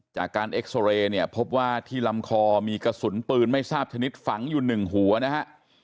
จากการเอ็กซอเรย์เนี่ยพบว่าที่ลำคอมีกระสุนปืนไม่ทราบชนิดฝังอยู่หนึ่งหัวนะฮะ